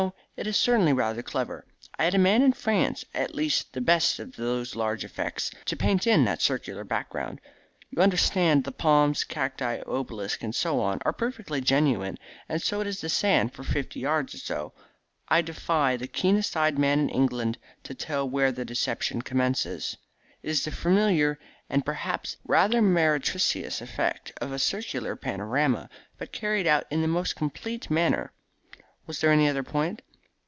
It is certainly rather clever. I had the best man in France, at least the best at those large effects, to paint in that circular background. You understand, the palms, cacti, obelisk, and so on, are perfectly genuine, and so is the sand for fifty yards or so, and I defy the keenest eyed man in England to tell where the deception commences. It is the familiar and perhaps rather meretricious effect of a circular panorama, but carried out in the most complete manner. Was there any other point?"